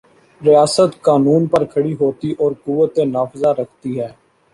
ریاست قانون پر کھڑی ہوتی اور قوت نافذہ رکھتی ہے۔